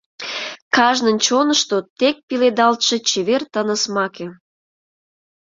Кажнын чонышто тек Пеледалтше чевер тыныс маке.